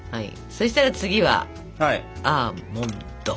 そしたら次はアーモンド。